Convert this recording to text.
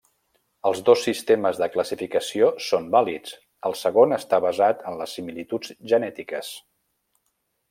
Els dos sistemes de classificació són vàlids, el segon està basat en les similituds genètiques.